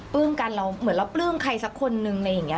กันเราเหมือนเราปลื้มใครสักคนนึงอะไรอย่างนี้